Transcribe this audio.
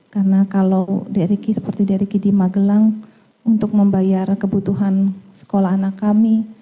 karena kalau d ricky seperti d ricky di magelang untuk membayar kebutuhan sekolah anak kami